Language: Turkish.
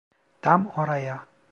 Tam oraya.